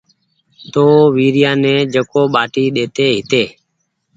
تو ويريآ ني جيڪو ٻآٽي ڏي تي هيتي